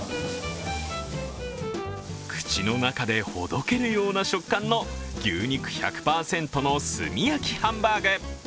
口の中でほどけるような食感の牛肉１００％の炭焼きハンバーグ。